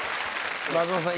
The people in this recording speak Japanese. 松本さん